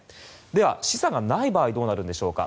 では、資産がない場合はどうなるんでしょうか。